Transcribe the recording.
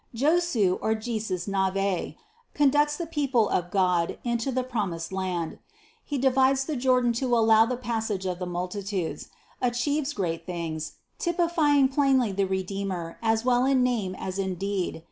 152. Josue or Jesus Nave conducts the people of God into the promised land ; he divides the Jordan to allow the passage of the multitudes, achieves great things, typifying plainly the Redeemer as well in name as in deed.